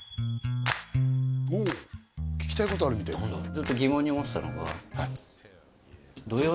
おお聞きたいことあるみたいです何だろう？